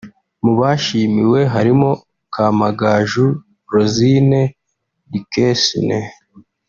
Mu bashimiwe harimo Kamagaju Rosine Duquesne